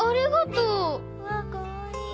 うわかわいい。